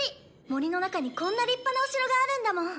森の中にこんな立派なお城があるんだもん！